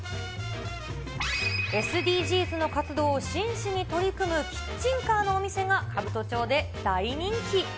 ＳＤＧｓの活動を真摯に取り組むキッチンカーのお店が、兜町で大人気。